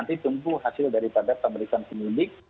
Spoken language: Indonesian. ini tumbuh hasil dari padat pemeriksaan pendidik